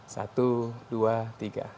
satu dua tiga